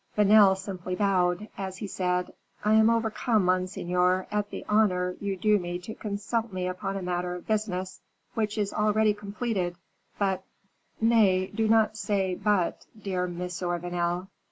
Vanel simply bowed, as he said, "I am overcome, monseigneur, at the honor you do me to consult me upon a matter of business which is already completed; but " "Nay, do not say but, dear Monsieur Vanel."